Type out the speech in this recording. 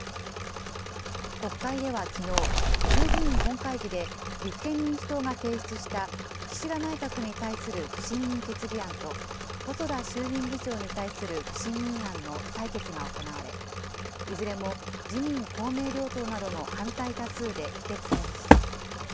国会ではきのう、衆議院本会議で立憲民主党が提出した岸田内閣に対する不信任決議案と、細田衆議院議長に対する不信任案の採決が行われ、いずれも自民、公明両党などの反対多数で否決されました。